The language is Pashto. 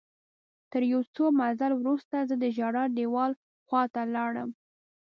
تر یو څه مزل وروسته زه د ژړا دیوال خواته لاړم.